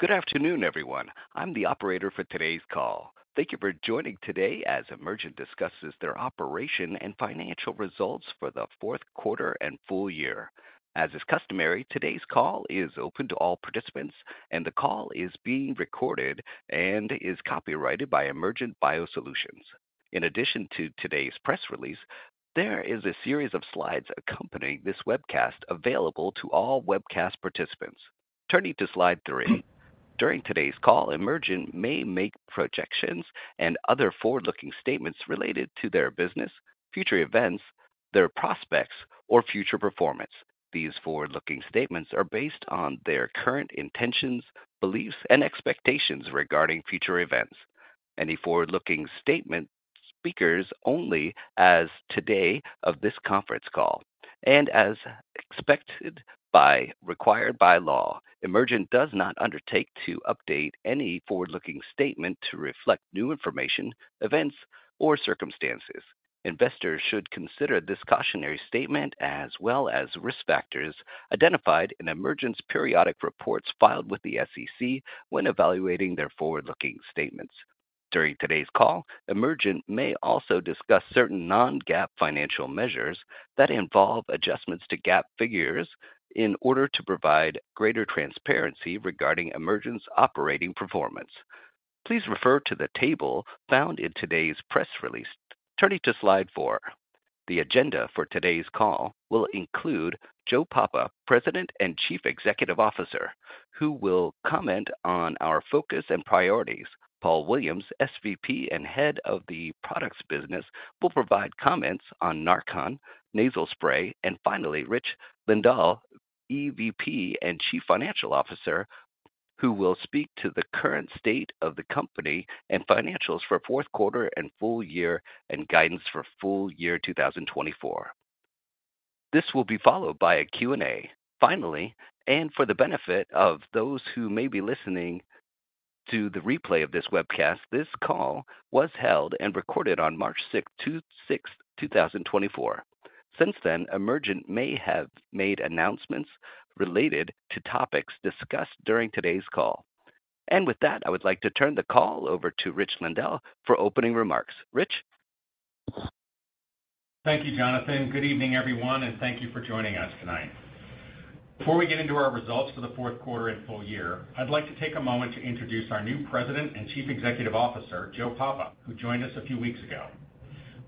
Good afternoon, everyone. I'm the operator for today's call. Thank you for joining today as Emergent discusses their operations and financial results for the fourth quarter and full year. As is customary, today's call is open to all participants, and the call is being recorded and is copyrighted by Emergent BioSolutions. In addition to today's press release, there is a series of slides accompanying this webcast available to all webcast participants. Turning to slide 3. During today's call, Emergent may make projections and other forward-looking statements related to their business, future events, their prospects, or future performance. These forward-looking statements are based on their current intentions, beliefs, and expectations regarding future events. Any forward-looking statements speak only as of the date of this conference call. As required by law, Emergent does not undertake to update any forward-looking statement to reflect new information, events, or circumstances. Investors should consider this cautionary statement as well as risk factors identified in Emergent's periodic reports filed with the SEC when evaluating their forward-looking statements. During today's call, Emergent may also discuss certain non-GAAP financial measures that involve adjustments to GAAP figures in order to provide greater transparency regarding Emergent's operating performance. Please refer to the table found in today's press release. Turning to slide 4. The agenda for today's call will include Joe Papa, President and Chief Executive Officer, who will comment on our focus and priorities. Paul Williams, SVP and Head of the Products Business, will provide comments on NARCAN Nasal Spray, and finally, Rich Lindahl, EVP and Chief Financial Officer, who will speak to the current state of the company and financials for fourth quarter and full year and guidance for full year 2024. This will be followed by a Q&A. Finally, and for the benefit of those who may be listening to the replay of this webcast, this call was held and recorded on March 6th, 2024. Since then, Emergent may have made announcements related to topics discussed during today's call. And with that, I would like to turn the call over to Rich Lindahl for opening remarks. Rich? Thank you, Jonathan. Good evening, everyone, and thank you for joining us tonight. Before we get into our results for the fourth quarter and full year, I'd like to take a moment to introduce our new President and Chief Executive Officer, Joe Papa, who joined us a few weeks ago.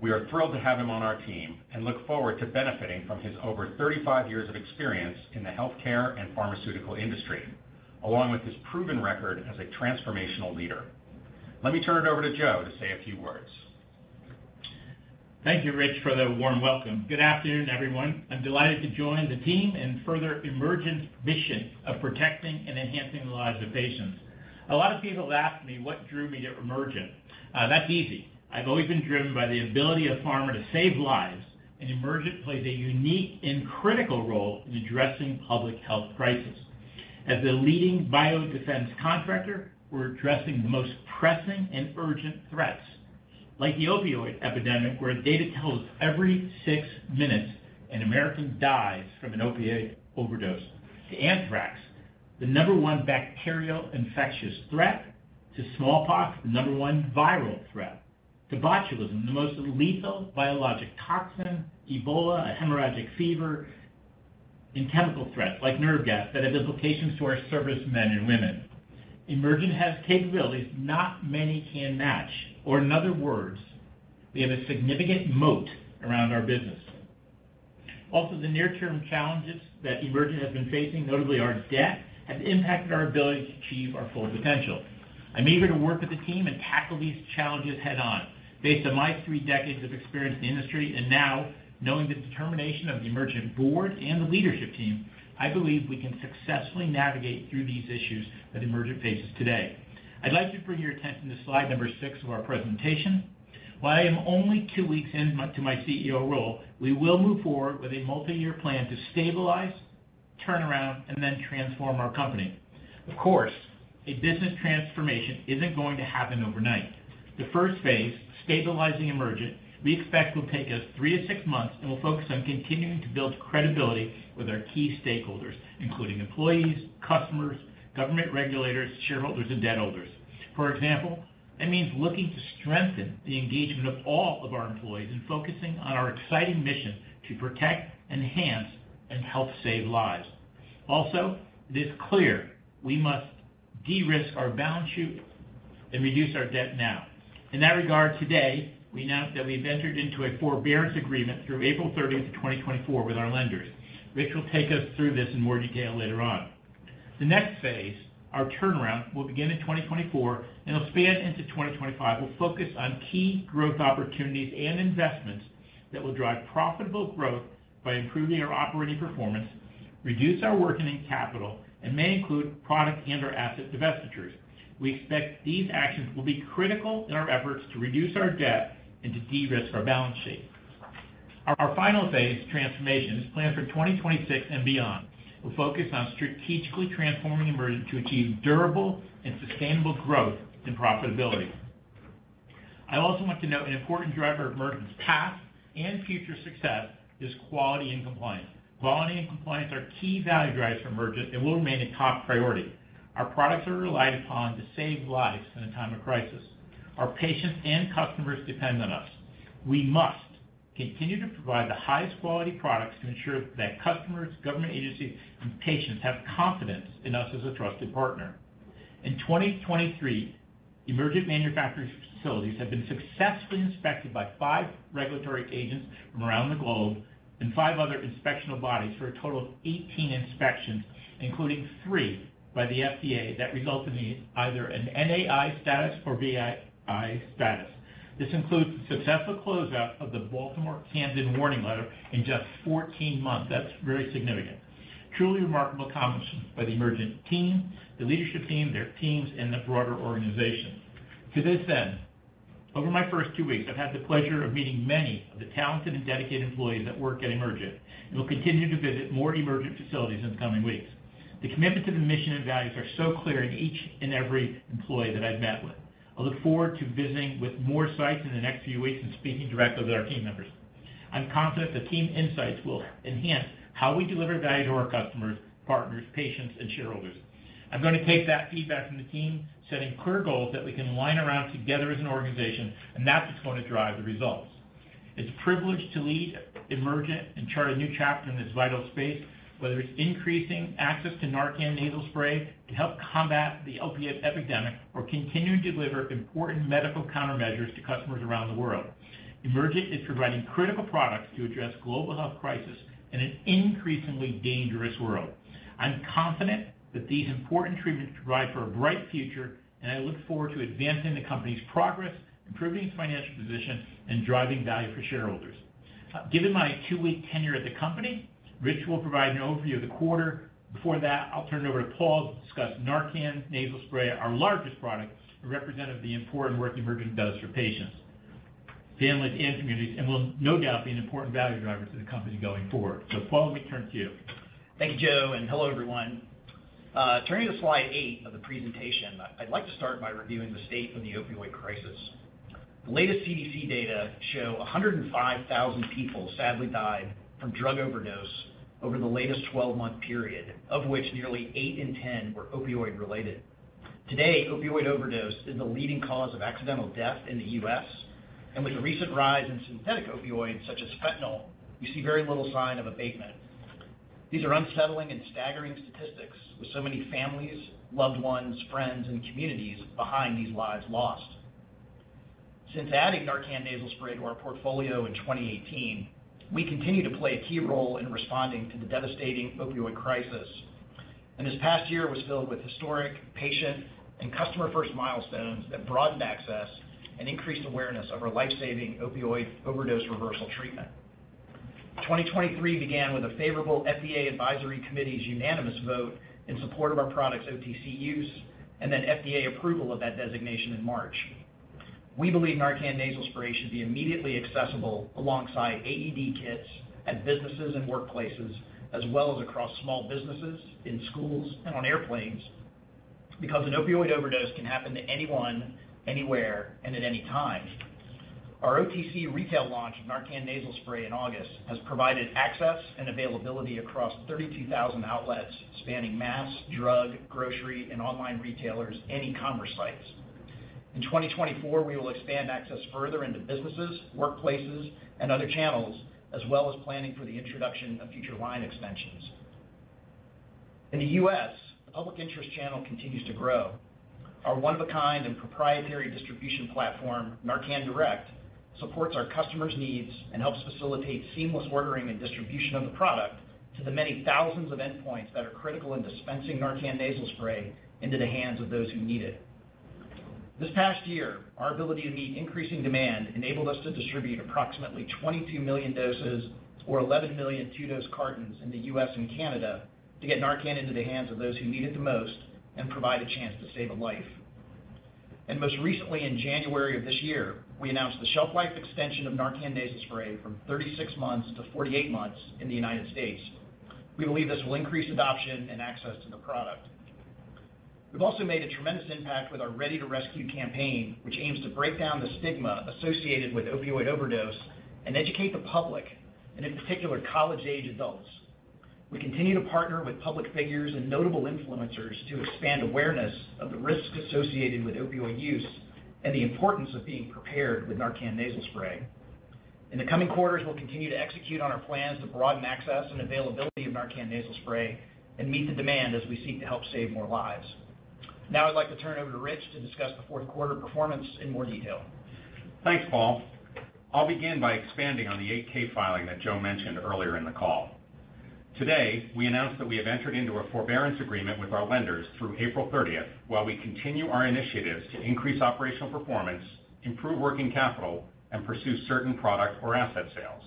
We are thrilled to have him on our team and look forward to benefiting from his over 35 years of experience in the healthcare and pharmaceutical industry, along with his proven record as a transformational leader. Let me turn it over to Joe to say a few words. Thank you, Rich, for the warm welcome. Good afternoon, everyone. I'm delighted to join the team and further Emergent's mission of protecting and enhancing the lives of patients. A lot of people ask me what drew me to Emergent. That's easy. I've always been driven by the ability of pharma to save lives, and Emergent plays a unique and critical role in addressing public health crises. As the leading biodefense contractor, we're addressing the most pressing and urgent threats. Like the opioid epidemic, where data tells us every six minutes an American dies from an opioid overdose. To anthrax, the number one bacterial infectious threat. To smallpox, the number one viral threat. To botulism, the most lethal biologic toxin. Ebola, a hemorrhagic fever. And chemical threats like nerve gas that have implications to our servicemen and women. Emergent has capabilities not many can match. Or in other words, we have a significant moat around our business. Also, the near-term challenges that Emergent has been facing, notably our debt, have impacted our ability to achieve our full potential. I'm eager to work with the team and tackle these challenges head-on. Based on my three decades of experience in the industry and now knowing the determination of the Emergent board and the leadership team, I believe we can successfully navigate through these issues that Emergent faces today. I'd like to bring your attention to slide 6 of our presentation. While I am only two weeks into my CEO role, we will move forward with a multi-year plan to stabilize, turn around, and then transform our company. Of course, a business transformation isn't going to happen overnight. The first phase, stabilizing Emergent, we expect will take us 3-6 months and will focus on continuing to build credibility with our key stakeholders, including employees, customers, government regulators, shareholders, and debt holders. For example, that means looking to strengthen the engagement of all of our employees and focusing on our exciting mission to protect, enhance, and help save lives. Also, it is clear we must de-risk our balance sheet and reduce our debt now. In that regard, today, we announce that we have entered into a forbearance agreement through April 30th, 2024, with our lenders. Rich will take us through this in more detail later on. The next phase, our turnaround, will begin in 2024 and will span into 2025. We'll focus on key growth opportunities and investments that will drive profitable growth by improving our operating performance, reduce our working capital, and may include product and/or asset divestitures. We expect these actions will be critical in our efforts to reduce our debt and to de-risk our balance sheet. Our final phase, transformation, is planned for 2026 and beyond. We'll focus on strategically transforming Emergent to achieve durable and sustainable growth and profitability. I also want to note an important driver of Emergent's past and future success is quality and compliance. Quality and compliance are key value drivers for Emergent and will remain a top priority. Our products are relied upon to save lives in a time of crisis. Our patients and customers depend on us. We must continue to provide the highest quality products to ensure that customers, government agencies, and patients have confidence in us as a trusted partner. In 2023, Emergent manufacturing facilities have been successfully inspected by five regulatory agencies from around the globe and five other inspectional bodies for a total of 18 inspections, including three by the FDA that result in either an NAI status or VAI status. This includes the successful closeout of the Baltimore-Camden Warning Letter in just 14 months. That's very significant. Truly remarkable accomplishments by the Emergent team, the leadership team, their teams, and the broader organization. To this end, over my first two weeks, I've had the pleasure of meeting many of the talented and dedicated employees that work at Emergent, and will continue to visit more Emergent facilities in the coming weeks. The commitment to the mission and values are so clear in each and every employee that I've met with. I look forward to visiting with more sites in the next few weeks and speaking directly with our team members. I'm confident the team insights will enhance how we deliver value to our customers, partners, patients, and shareholders. I'm going to take that feedback from the team, setting clear goals that we can rally around together as an organization, and that's what's going to drive the results. It's a privilege to lead Emergent and chart a new chapter in this vital space, whether it's increasing access to NARCAN Nasal Spray to help combat the opioid epidemic or continue to deliver important medical countermeasures to customers around the world. Emergent is providing critical products to address global health crisis in an increasingly dangerous world. I'm confident that these important treatments provide for a bright future, and I look forward to advancing the company's progress, improving its financial position, and driving value for shareholders. Given my two-week tenure at the company, Rich will provide an overview of the quarter. Before that, I'll turn it over to Paul to discuss NARCAN Nasal Spray, our largest product, and representative of the important work Emergent does for patients, families, and communities, and will no doubt be an important value driver to the company going forward. So Paul, let me turn to you. Thank you, Joe, and hello, everyone. Turning to slide 8 of the presentation, I'd like to start by reviewing the state of the opioid crisis. The latest CDC data show 105,000 people sadly died from drug overdose over the latest 12-month period, of which nearly 8 in 10 were opioid-related. Today, opioid overdose is the leading cause of accidental death in the U.S., and with the recent rise in synthetic opioids such as fentanyl, we see very little sign of abatement. These are unsettling and staggering statistics, with so many families, loved ones, friends, and communities behind these lives lost. Since adding NARCAN Nasal Spray to our portfolio in 2018, we continue to play a key role in responding to the devastating opioid crisis. And this past year was filled with historic, patient, and customer-first milestones that broadened access and increased awareness of our lifesaving opioid overdose reversal treatment. 2023 began with a favorable FDA Advisory Committee's unanimous vote in support of our product's OTC use and then FDA approval of that designation in March. We believe NARCAN Nasal Spray should be immediately accessible alongside AED kits at businesses and workplaces, as well as across small businesses, in schools, and on airplanes, because an opioid overdose can happen to anyone, anywhere, and at any time. Our OTC retail launch of NARCAN Nasal Spray in August has provided access and availability across 32,000 outlets spanning mass, drug, grocery, and online retailers, and e-commerce sites. In 2024, we will expand access further into businesses, workplaces, and other channels, as well as planning for the introduction of future line extensions. In the U.S., the public interest channel continues to grow. Our one-of-a-kind and proprietary distribution platform, NARCAN Direct, supports our customers' needs and helps facilitate seamless ordering and distribution of the product to the many thousands of endpoints that are critical in dispensing NARCAN Nasal Spray into the hands of those who need it. This past year, our ability to meet increasing demand enabled us to distribute approximately 22 million doses or 11 million two-dose cartons in the U.S. and Canada to get NARCAN into the hands of those who need it the most and provide a chance to save a life. Most recently, in January of this year, we announced the shelf-life extension of NARCAN Nasal Spray from 36 months-48 months in the United States. We believe this will increase adoption and access to the product. We've also made a tremendous impact with our Ready to Rescue campaign, which aims to break down the stigma associated with opioid overdose and educate the public, and in particular, college-age adults. We continue to partner with public figures and notable influencers to expand awareness of the risks associated with opioid use and the importance of being prepared with NARCAN Nasal Spray. In the coming quarters, we'll continue to execute on our plans to broaden access and availability of NARCAN Nasal Spray and meet the demand as we seek to help save more lives. Now I'd like to turn it over to Rich to discuss the fourth quarter performance in more detail. Thanks, Paul. I'll begin by expanding on the 8-K filing that Joe mentioned earlier in the call. Today, we announced that we have entered into a forbearance agreement with our lenders through April 30th while we continue our initiatives to increase operational performance, improve working capital, and pursue certain product or asset sales.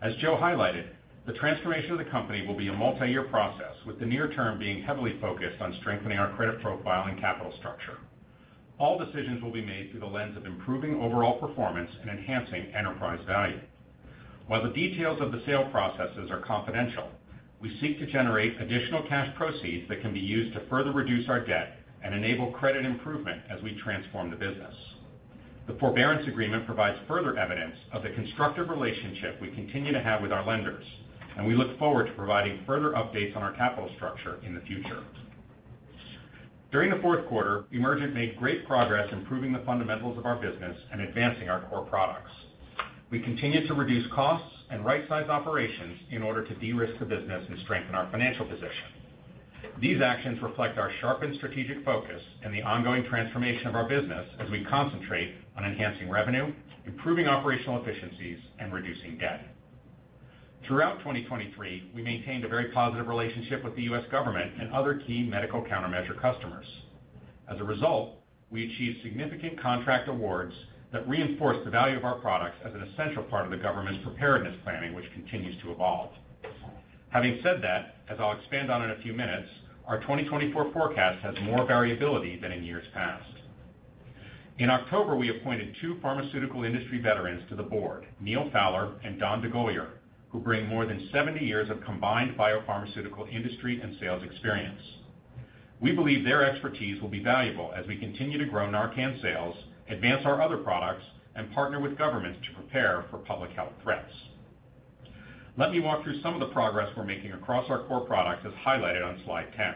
As Joe highlighted, the transformation of the company will be a multi-year process, with the near term being heavily focused on strengthening our credit profile and capital structure. All decisions will be made through the lens of improving overall performance and enhancing enterprise value. While the details of the sale processes are confidential, we seek to generate additional cash proceeds that can be used to further reduce our debt and enable credit improvement as we transform the business. The forbearance agreement provides further evidence of the constructive relationship we continue to have with our lenders, and we look forward to providing further updates on our capital structure in the future. During the fourth quarter, Emergent made great progress improving the fundamentals of our business and advancing our core products. We continue to reduce costs and right-size operations in order to de-risk the business and strengthen our financial position. These actions reflect our sharpened strategic focus and the ongoing transformation of our business as we concentrate on enhancing revenue, improving operational efficiencies, and reducing debt. Throughout 2023, we maintained a very positive relationship with the U.S. government and other key medical countermeasure customers. As a result, we achieved significant contract awards that reinforced the value of our products as an essential part of the government's preparedness planning, which continues to evolve. Having said that, as I'll expand on in a few minutes, our 2024 forecast has more variability than in years past. In October, we appointed two pharmaceutical industry veterans to the board, Neal Fowler and Don DeGolyer, who bring more than 70 years of combined biopharmaceutical industry and sales experience. We believe their expertise will be valuable as we continue to grow Narcan sales, advance our other products, and partner with governments to prepare for public health threats. Let me walk through some of the progress we're making across our core products as highlighted on slide 10.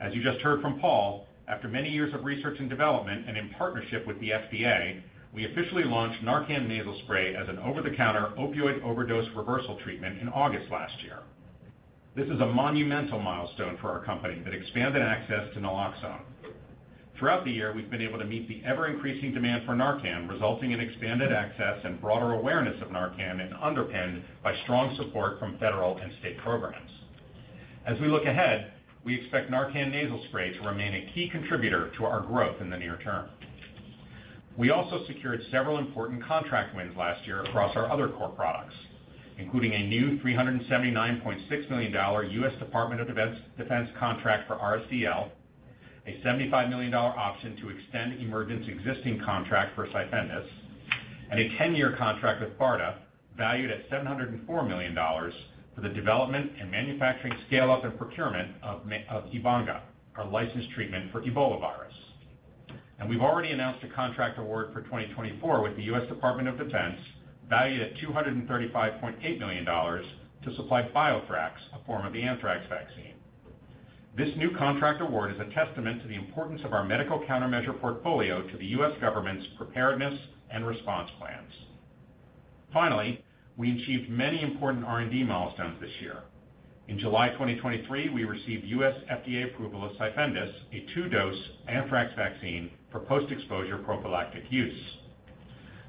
As you just heard from Paul, after many years of research and development and in partnership with the FDA, we officially launched NARCAN Nasal Spray as an over-the-counter opioid overdose reversal treatment in August last year. This is a monumental milestone for our company that expanded access to naloxone. Throughout the year, we've been able to meet the ever-increasing demand for NARCAN, resulting in expanded access and broader awareness of NARCAN and underpinned by strong support from federal and state programs. As we look ahead, we expect NARCAN Nasal Spray to remain a key contributor to our growth in the near term. We also secured several important contract wins last year across our other core products, including a new $379.6 million U.S. Department of Defense contract for RSDL, a $75 million option to extend Emergent's existing contract for Cyfendus, and a 10-year contract with BARDA valued at $704 million for the development and manufacturing scale-up and procurement of Ebanga, our licensed treatment for Ebola virus. We've already announced a contract award for 2024 with the U.S. Department of Defense valued at $235.8 million to supply BioThrax, a form of the anthrax vaccine. This new contract award is a testament to the importance of our medical countermeasure portfolio to the U.S. government's preparedness and response plans. Finally, we achieved many important R&D milestones this year. In July 2023, we received U.S. FDA approval of Cyfendus, a two-dose anthrax vaccine for post-exposure prophylactic use.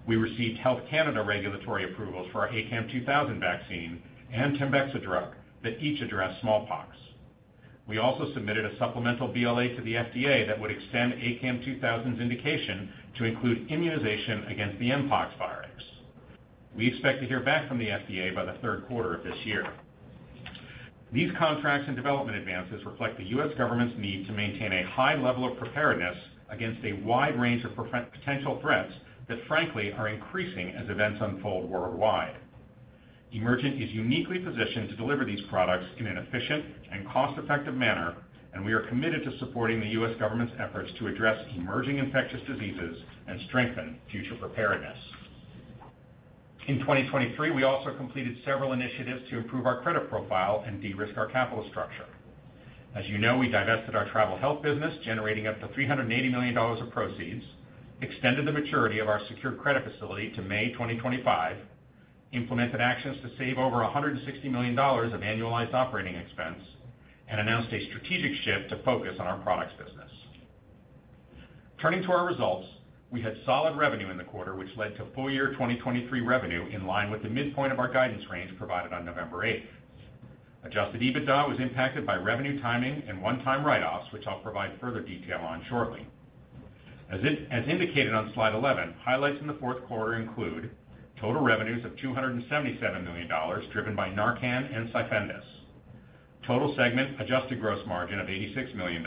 We received Health Canada regulatory approvals for our ACAM2000 vaccine and Tembexa drug that each address smallpox. We also submitted a supplemental BLA to the FDA that would extend ACAM2000's indication to include immunization against the mpox virus. We expect to hear back from the FDA by the third quarter of this year. These contracts and development advances reflect the U.S. government's need to maintain a high level of preparedness against a wide range of potential threats that, frankly, are increasing as events unfold worldwide. Emergent is uniquely positioned to deliver these products in an efficient and cost-effective manner, and we are committed to supporting the U.S. government's efforts to address emerging infectious diseases and strengthen future preparedness. In 2023, we also completed several initiatives to improve our credit profile and de-risk our capital structure. As you know, we divested our travel health business, generating up to $380 million of proceeds, extended the maturity of our secured credit facility to May 2025, implemented actions to save over $160 million of annualized operating expense, and announced a strategic shift to focus on our products business. Turning to our results, we had solid revenue in the quarter, which led to full-year 2023 revenue in line with the midpoint of our guidance range provided on November 8th. Adjusted EBITDA was impacted by revenue timing and one-time write-offs, which I'll provide further detail on shortly. As indicated on slide 11, highlights in the fourth quarter include total revenues of $277 million driven by Narcan and Cyfendus, total segment adjusted gross margin of $86 million,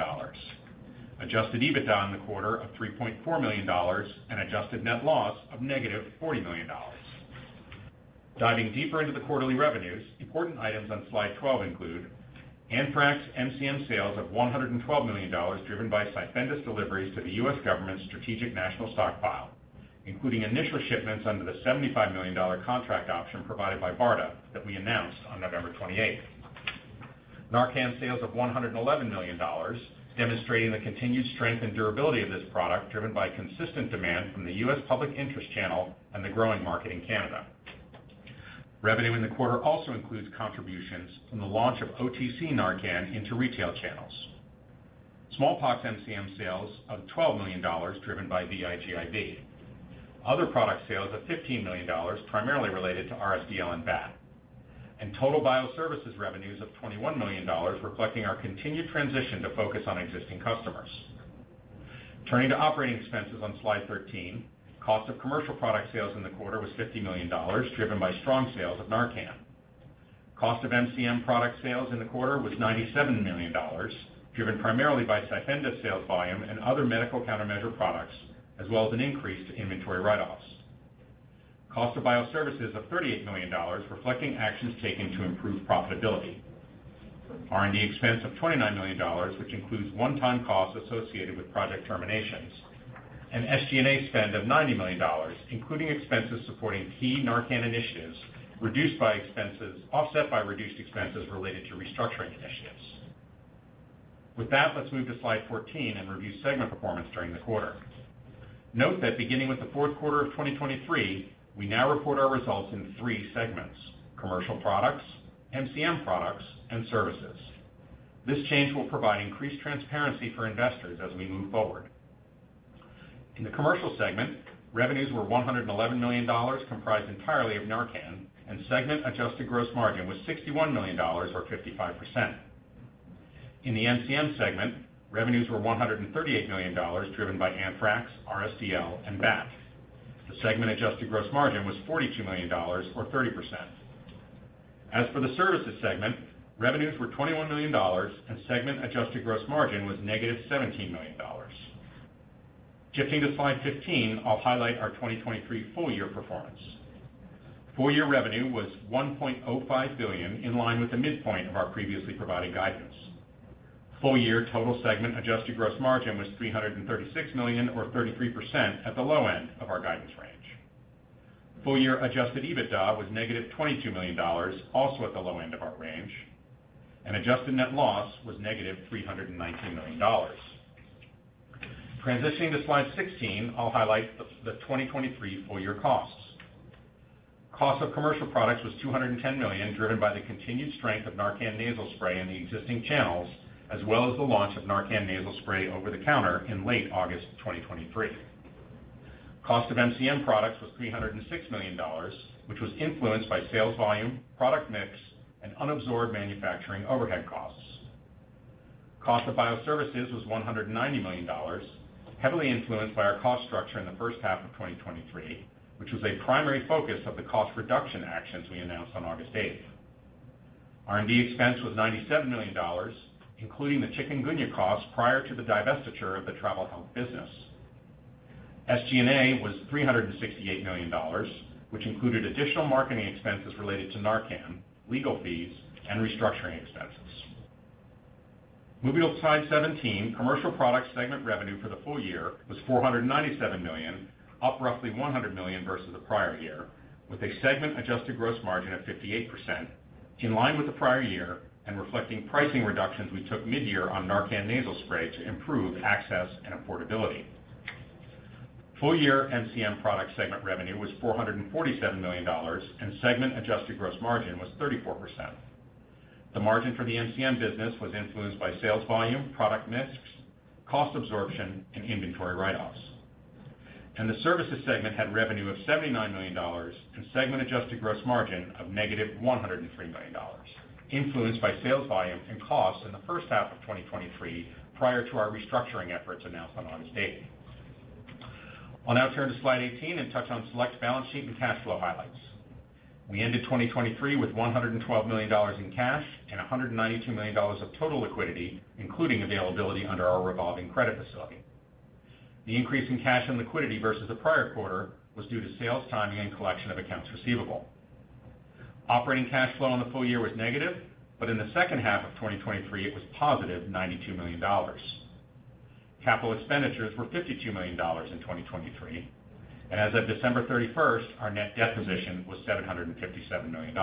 adjusted EBITDA in the quarter of $3.4 million, and adjusted net loss of -$40 million. Diving deeper into the quarterly revenues, important items on slide 12 include anthrax MCM sales of $112 million driven by Cyfendus deliveries to the U.S. government's Strategic National Stockpile, including initial shipments under the $75 million contract option provided by BARDA that we announced on November 28th, Narcan sales of $111 million, demonstrating the continued strength and durability of this product driven by consistent demand from the U.S. public interest channel and the growing market in Canada. Revenue in the quarter also includes contributions from the launch of OTC NARCAN into retail channels, smallpox MCM sales of $12 million driven by VIGIV, other product sales of $15 million primarily related to RSDL and BAT, and total bioservices revenues of $21 million, reflecting our continued transition to focus on existing customers. Turning to operating expenses on slide 13, cost of commercial product sales in the quarter was $50 million driven by strong sales of NARCAN. Cost of MCM product sales in the quarter was $97 million driven primarily by Cyfendus sales volume and other medical countermeasure products, as well as an increase to inventory write-offs. Cost of bioservices of $38 million, reflecting actions taken to improve profitability. R&D expense of $29 million, which includes one-time costs associated with project terminations, and SG&A spend of $90 million, including expenses supporting key NARCAN initiatives offset by reduced expenses related to restructuring initiatives. With that, let's move to slide 14 and review segment performance during the quarter. Note that beginning with the fourth quarter of 2023, we now report our results in three segments: commercial products, MCM products, and services. This change will provide increased transparency for investors as we move forward. In the commercial segment, revenues were $111 million comprised entirely of NARCAN, and segment adjusted gross margin was $61 million or 55%. In the MCM segment, revenues were $138 million driven by anthrax, RSDL, and BAT. The segment adjusted gross margin was $42 million or 30%. As for the services segment, revenues were $21 million, and segment adjusted gross margin was -$17 million. Shifting to slide 15, I'll highlight our 2023 full-year performance. Full-year revenue was $1.05 billion in line with the midpoint of our previously provided guidance. Full-year total segment Adjusted Gross Margin was $336 million or 33% at the low end of our guidance range. Full-year Adjusted EBITDA was -$22 million, also at the low end of our range, and Adjusted Net Loss was -$319 million. Transitioning to slide 16, I'll highlight the 2023 full-year costs. Cost of commercial products was $210 million driven by the continued strength of Narcan Nasal Spray in the existing channels, as well as the launch of Narcan Nasal Spray over-the-counter in late August 2023. Cost of MCM products was $306 million, which was influenced by sales volume, product mix, and unabsorbed manufacturing overhead costs. Cost of bioservices was $190 million, heavily influenced by our cost structure in the first half of 2023, which was a primary focus of the cost reduction actions we announced on August 8th. R&D expense was $97 million, including the Chikungunya costs prior to the divestiture of the travel health business. SG&A was $368 million, which included additional marketing expenses related to NARCAN, legal fees, and restructuring expenses. Moving to slide 17, commercial products segment revenue for the full year was $497 million, up roughly $100 million versus the prior year, with a segment adjusted gross margin of 58% in line with the prior year and reflecting pricing reductions we took mid-year on NARCAN Nasal Spray to improve access and affordability. Full-year MCM product segment revenue was $447 million, and segment adjusted gross margin was 34%. The margin for the MCM business was influenced by sales volume, product mix, cost absorption, and inventory write-offs. The services segment had revenue of $79 million and segment adjusted gross margin of -$103 million, influenced by sales volume and costs in the first half of 2023 prior to our restructuring efforts announced on August 8th. I'll now turn to slide 18 and touch on select balance sheet and cash flow highlights. We ended 2023 with $112 million in cash and $192 million of total liquidity, including availability under our revolving credit facility. The increase in cash and liquidity versus the prior quarter was due to sales timing and collection of accounts receivable. Operating cash flow on the full year was negative, but in the second half of 2023, it was positive $92 million. Capital expenditures were $52 million in 2023, and as of December 31st, our net debt position was $757 million.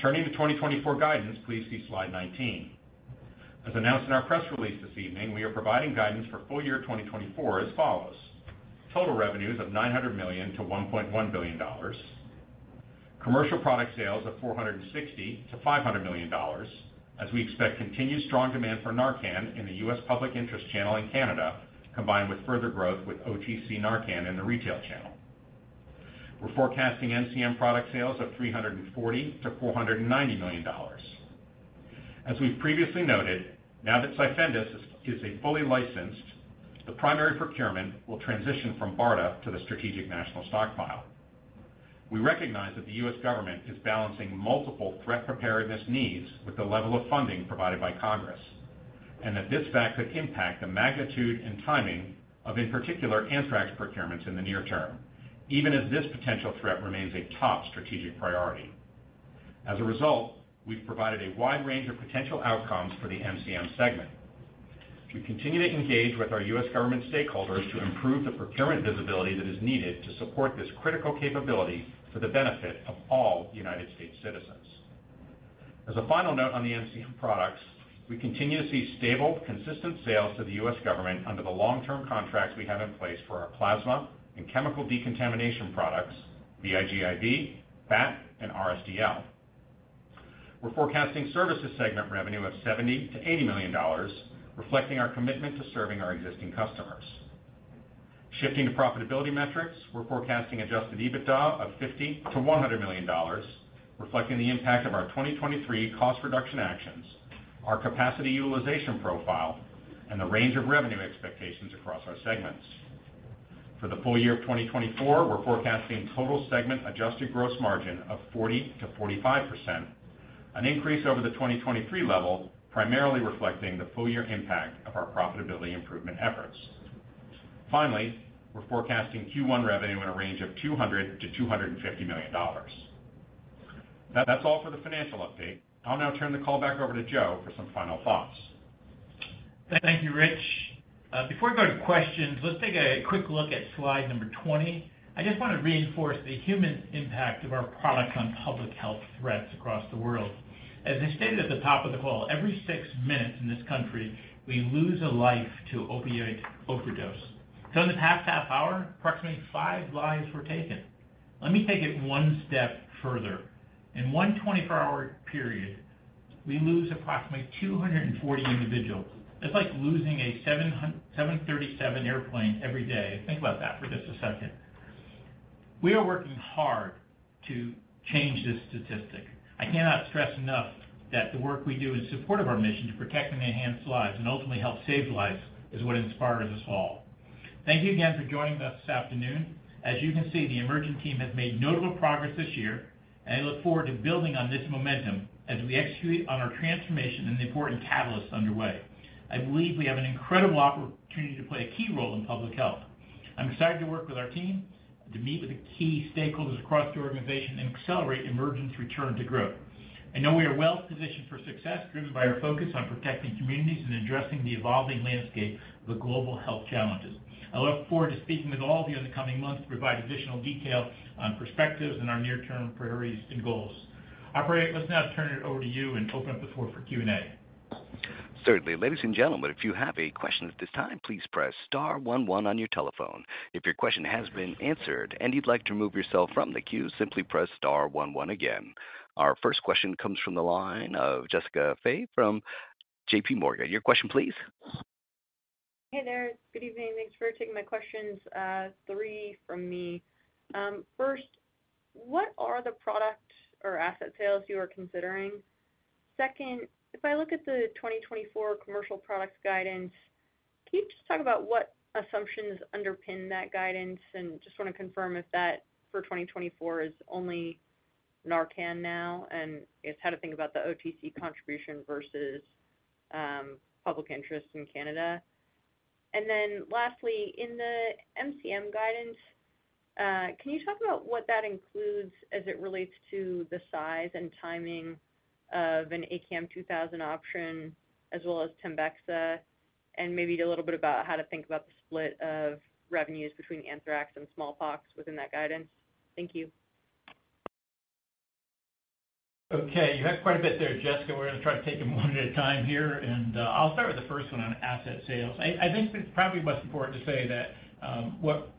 Turning to 2024 guidance, please see slide 19. As announced in our press release this evening, we are providing guidance for full year 2024 as follows: total revenues of $900 million-$1.1 billion, commercial product sales of $460 million-$500 million, as we expect continued strong demand for Narcan in the U.S. public interest channel in Canada, combined with further growth with OTC Narcan in the retail channel. We're forecasting MCM product sales of $340 million-$490 million. As we've previously noted, now that Cyfendus is a fully licensed, the primary procurement will transition from BARDA to the Strategic National Stockpile. We recognize that the U.S. government is balancing multiple threat preparedness needs with the level of funding provided by Congress, and that this fact could impact the magnitude and timing of, in particular, anthrax procurements in the near term, even as this potential threat remains a top strategic priority. As a result, we've provided a wide range of potential outcomes for the MCM segment. We continue to engage with our U.S. government stakeholders to improve the procurement visibility that is needed to support this critical capability for the benefit of all United States citizens. As a final note on the MCM products, we continue to see stable, consistent sales to the U.S. government under the long-term contracts we have in place for our plasma and chemical decontamination products, VIGIV, BAT, and RSDL. We're forecasting services segment revenue of $70 million-$80 million, reflecting our commitment to serving our existing customers. Shifting to profitability metrics, we're forecasting Adjusted EBITDA of $50 million-$100 million, reflecting the impact of our 2023 cost reduction actions, our capacity utilization profile, and the range of revenue expectations across our segments. For the full year of 2024, we're forecasting total segment Adjusted Gross Margin of 40%-45%, an increase over the 2023 level, primarily reflecting the full-year impact of our profitability improvement efforts. Finally, we're forecasting Q1 revenue in a range of $200 million-$250 million. That's all for the financial update. I'll now turn the call back over to Joe for some final thoughts. Thank you, Rich. Before we go to questions, let's take a quick look at slide number 20. I just want to reinforce the human impact of our products on public health threats across the world. As I stated at the top of the call, every 6 minutes in this country, we lose a life to opioid overdose. So in the past half hour, approximately 5 lives were taken. Let me take it one step further. In one 24-hour period, we lose approximately 240 individuals. That's like losing a 737 airplane every day. Think about that for just a second. We are working hard to change this statistic. I cannot stress enough that the work we do in support of our mission to protect and enhance lives and ultimately help save lives is what inspires us all. Thank you again for joining us this afternoon. As you can see, the Emergent team has made notable progress this year, and I look forward to building on this momentum as we execute on our transformation and the important catalysts underway. I believe we have an incredible opportunity to play a key role in public health. I'm excited to work with our team, to meet with the key stakeholders across the organization, and accelerate Emergent's return to growth. I know we are well positioned for success driven by our focus on protecting communities and addressing the evolving landscape of global health challenges. I look forward to speaking with all of you in the coming months to provide additional detail on perspectives and our near-term priorities and goals. Let's now turn it over to you and open up the floor for Q&A. Certainly. Ladies and gentlemen, if you have a question at this time, please press star one one on your telephone. If your question has been answered and you'd like to remove yourself from the queue, simply press star one one again. Our first question comes from the line of Jessica Fye from J.P. Morgan. Your question, please. Hey there. Good evening. Thanks for taking my questions. Three from me. First, what are the product or asset sales you are considering? Second, if I look at the 2024 commercial products guidance, can you just talk about what assumptions underpin that guidance? And just want to confirm if that for 2024 is only NARCAN now and how to think about the OTC contribution versus public interest in Canada. And then lastly, in the MCM guidance, can you talk about what that includes as it relates to the size and timing of an ACAM2000 option as well as Tembexa and maybe a little bit about how to think about the split of revenues between anthrax and smallpox within that guidance? Thank you. Okay. You had quite a bit there, Jessica. We're going to try to take them one at a time here. I'll start with the first one on asset sales. I think it's probably most important to say that what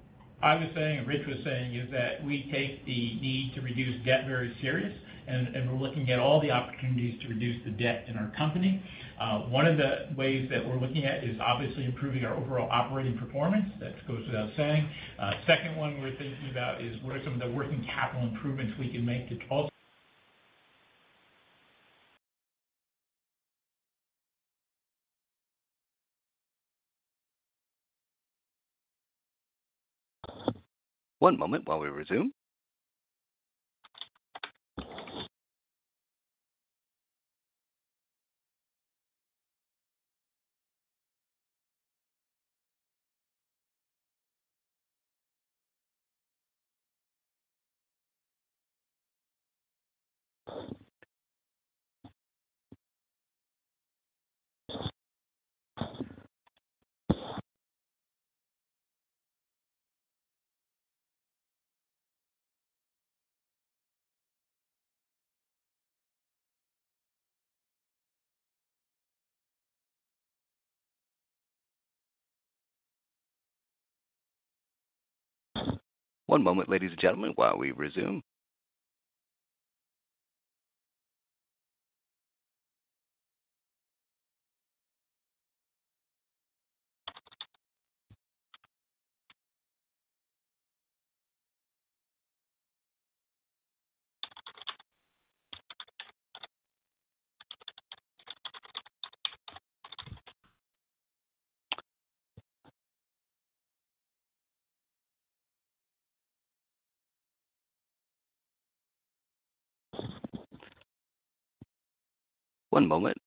I was saying and Rich was saying is that we take the need to reduce debt very serious, and we're looking at all the opportunities to reduce the debt in our company. One of the ways that we're looking at is obviously improving our overall operating performance. That goes without saying. Second one we're thinking about is what are some of the working capital improvements we can make to also. One moment while we resume. One moment, ladies and gentlemen, while we resume. One moment.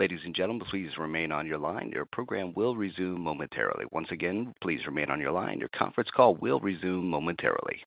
Ladies and gentlemen, please remain on your line. Your program will resume momentarily. Once again, please remain on your line. Your conference call will resume momentarily.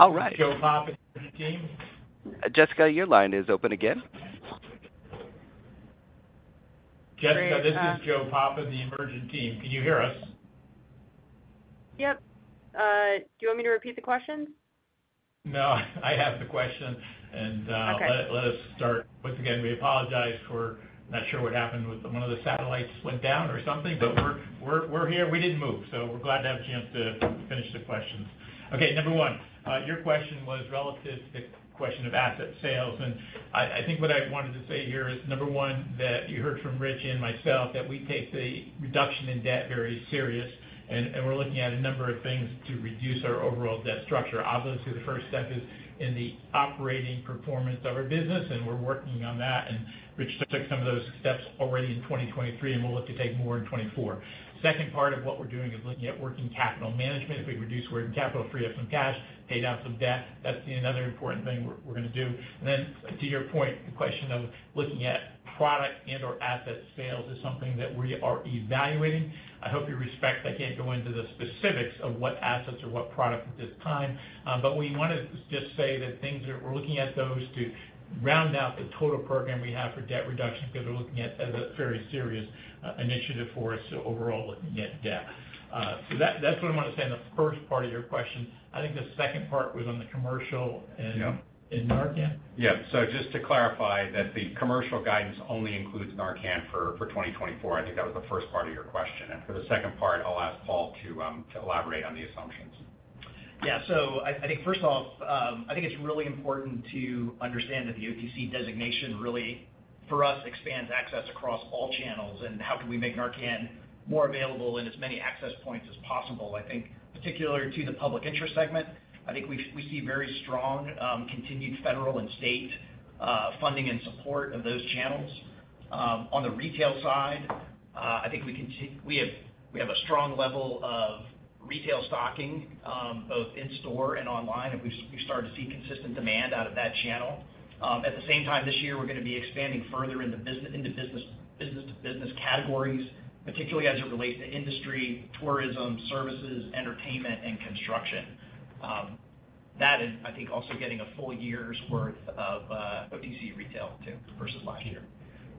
Hi. This is Joe Papa, Emergent team. Jessica, your line is open again. Jessica, this is Joe Papa, the Emergent team. Can you hear us? Yep. Do you want me to repeat the questions? No, I have the question, and let us start. Once again, we apologize for not sure what happened with one of the satellites went down or something, but we're here. We didn't move, so we're glad to have a chance to finish the questions. Okay. Number one, your question was relative to the question of asset sales. I think what I wanted to say here is, number one, that you heard from Rich and myself, that we take the reduction in debt very serious, and we're looking at a number of things to reduce our overall debt structure. Obviously, the first step is in the operating performance of our business, and we're working on that. Rich took some of those steps already in 2023, and we'll look to take more in 2024. Second part of what we're doing is looking at working capital management. If we reduce working capital, free up some cash, pay down some debt. That's another important thing we're going to do. Then, to your point, the question of looking at product and/or asset sales is something that we are evaluating. I hope you respect that I can't go into the specifics of what assets or what products at this time, but we want to just say that we're looking at those to round out the total program we have for debt reduction because we're looking at it as a very serious initiative for us overall looking at debt. So that's what I want to say in the first part of your question. I think the second part was on the commercial and Narcan. Yeah. So just to clarify that the commercial guidance only includes Narcan for 2024. I think that was the first part of your question. For the second part, I'll ask Paul to elaborate on the assumptions. Yeah. So I think, first off, I think it's really important to understand that the OTC designation really, for us, expands access across all channels. And how can we make NARCAN more available in as many access points as possible? I think, particularly to the public interest segment, I think we see very strong continued federal and state funding and support of those channels. On the retail side, I think we have a strong level of retail stocking both in-store and online, and we've started to see consistent demand out of that channel. At the same time, this year, we're going to be expanding further into business-to-business categories, particularly as it relates to industry, tourism, services, entertainment, and construction. That, I think, also getting a full year's worth of OTC retail too versus last year.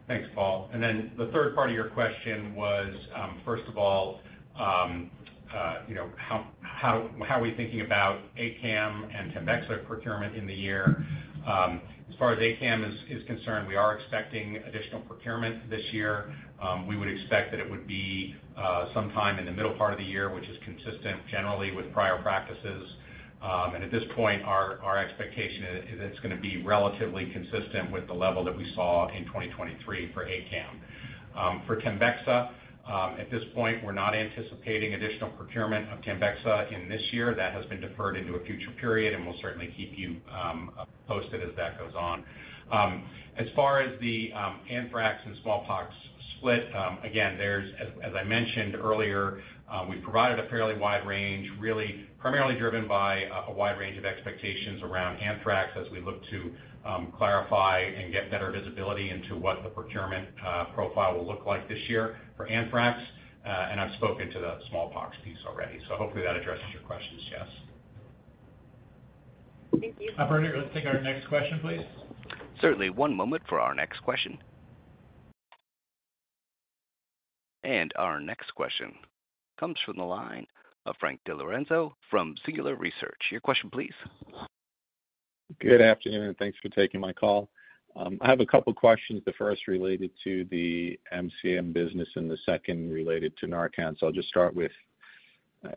Thanks, Paul. Then the third part of your question was, first of all, how are we thinking about ACAM and Tembexa procurement in the year? As far as ACAM is concerned, we are expecting additional procurement this year. We would expect that it would be sometime in the middle part of the year, which is consistent generally with prior practices. At this point, our expectation is it's going to be relatively consistent with the level that we saw in 2023 for ACAM. For Tembexa, at this point, we're not anticipating additional procurement of Tembexa in this year. That has been deferred into a future period, and we'll certainly keep you posted as that goes on. As far as the anthrax and smallpox split, again, as I mentioned earlier, we've provided a fairly wide range, really primarily driven by a wide range of expectations around anthrax as we look to clarify and get better visibility into what the procurement profile will look like this year for anthrax. I've spoken to the smallpox piece already, so hopefully that addresses your questions, yes. Thank you. All right. Let's take our next question, please. Certainly. One moment for our next question. Our next question comes from the line of Frank DiLorenzo from Singular Research. Your question, please. Good afternoon. Thanks for taking my call. I have a couple of questions. The first related to the MCM business and the second related to NARCAN. So I'll just start with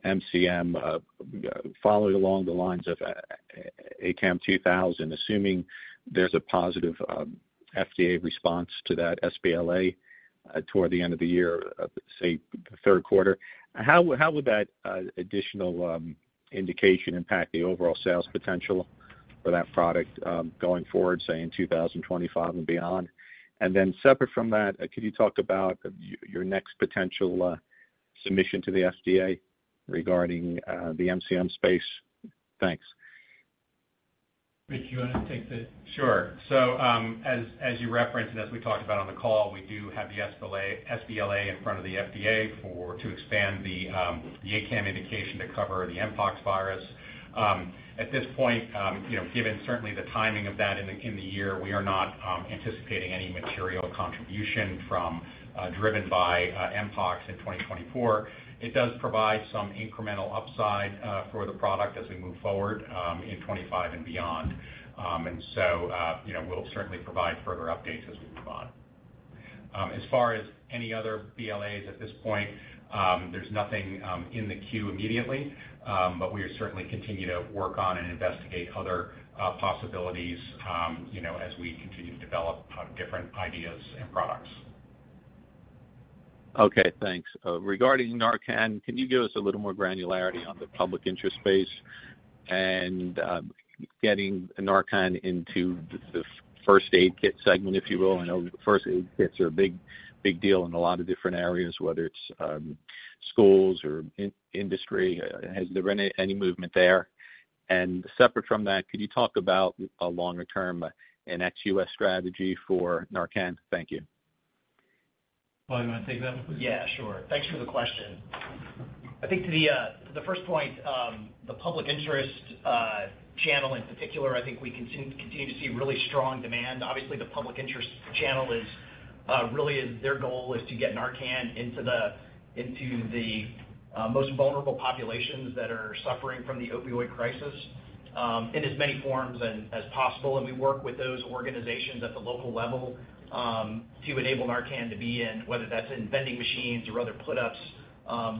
MCM following along the lines of ACAM2000, assuming there's a positive FDA response to that sBLA toward the end of the year, say, the third quarter. How would that additional indication impact the overall sales potential for that product going forward, say, in 2025 and beyond? And then separate from that, could you talk about your next potential submission to the FDA regarding the MCM space? Thanks. Rich, do you want to take the? Sure. So as you referenced and as we talked about on the call, we do have the sBLA in front of the FDA to expand the ACAM indication to cover the mpox virus. At this point, given certainly the timing of that in the year, we are not anticipating any material contribution driven by mpox in 2024. It does provide some incremental upside for the product as we move forward in 2025 and beyond. And so we'll certainly provide further updates as we move on. As far as any other BLAs at this point, there's nothing in the queue immediately, but we are certainly continuing to work on and investigate other possibilities as we continue to develop different ideas and products. Okay. Thanks. Regarding Narcan, can you give us a little more granularity on the public interest space and getting Narcan into the first-aid kit segment, if you will? I know first-aid kits are a big deal in a lot of different areas, whether it's schools or industry. Has there been any movement there? And separate from that, could you talk about a longer-term ex-U.S. strategy for Narcan? Thank you. Paul, do you want to take that one, please? Yeah. Sure. Thanks for the question. I think to the first point, the public interest channel in particular, I think we continue to see really strong demand. Obviously, the public interest channel really their goal is to get Narcan into the most vulnerable populations that are suffering from the opioid crisis in as many forms as possible. And we work with those organizations at the local level to enable Narcan to be in, whether that's in vending machines or other put-ups,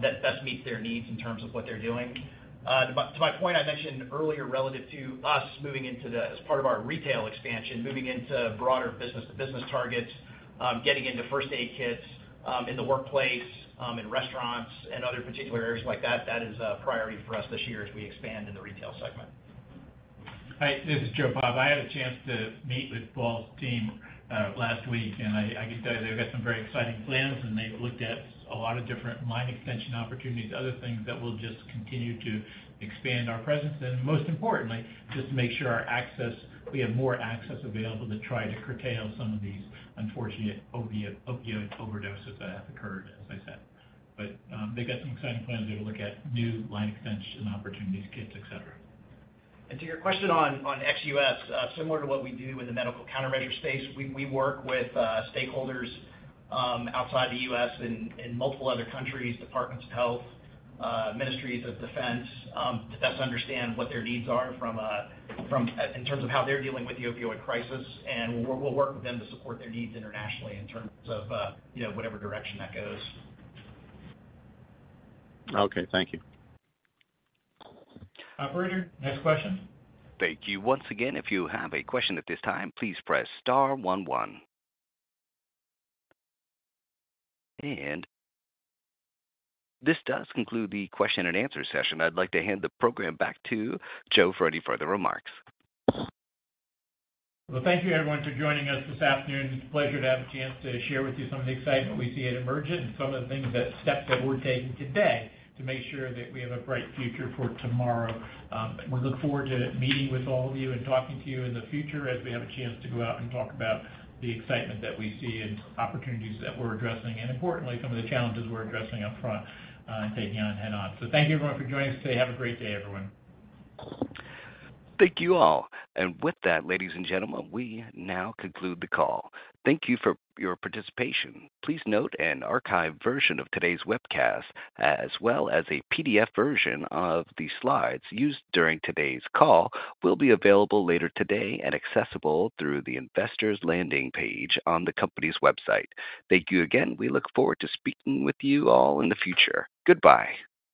that best meets their needs in terms of what they're doing. To my point, I mentioned earlier relative to us moving into the as part of our retail expansion, moving into broader business-to-business targets, getting into first-aid kits in the workplace, in restaurants, and other particular areas like that, that is a priority for us this year as we expand in the retail segment. Hi. This is Joe Papa. I had a chance to meet with Paul's team last week, and I can tell you they've got some very exciting plans, and they've looked at a lot of different line extension opportunities, other things that will just continue to expand our presence. And most importantly, just to make sure we have more access available to try to curtail some of these unfortunate opioid overdoses that have occurred, as I said. But they've got some exciting plans to look at new line extension opportunities, kits, etc. To your question on ex-U.S., similar to what we do in the medical countermeasure space, we work with stakeholders outside the U.S. and multiple other countries, departments of health, ministries of defense to best understand what their needs are in terms of how they're dealing with the opioid crisis. We'll work with them to support their needs internationally in terms of whatever direction that goes. Okay. Thank you. Operator, next question. Thank you. Once again, if you have a question at this time, please press star one one. This does conclude the question-and-answer session. I'd like to hand the program back to Joe for any further remarks. Well, thank you, everyone, for joining us this afternoon. It's a pleasure to have a chance to share with you some of the excitement we see at Emergent and some of the steps that we're taking today to make sure that we have a bright future for tomorrow. We look forward to meeting with all of you and talking to you in the future as we have a chance to go out and talk about the excitement that we see and opportunities that we're addressing, and importantly, some of the challenges we're addressing up front and taking on head-on. So thank you, everyone, for joining us today. Have a great day, everyone. Thank you all. With that, ladies and gentlemen, we now conclude the call. Thank you for your participation. Please note an archived version of today's webcast, as well as a PDF version of the slides used during today's call, will be available later today and accessible through the investors' landing page on the company's website. Thank you again. We look forward to speaking with you all in the future. Goodbye.